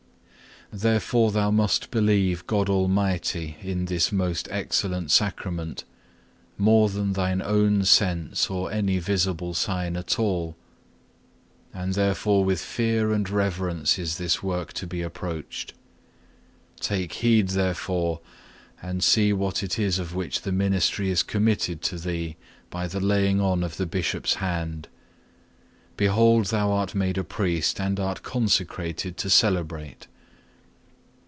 2. Therefore thou must believe God Almighty in this most excellent Sacrament, more than thine own sense or any visible sign at all. And therefore with fear and reverence is this work to be approached. Take heed therefore and see what it is of which the ministry is committed to thee by the laying on of the Bishop's hand. Behold thou art made a priest and art consecrated to celebrate.